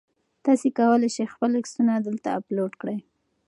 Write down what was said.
تاسي کولای شئ خپل عکسونه دلته اپلوډ کړئ.